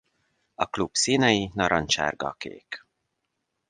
A klub színei narancssárga-kék.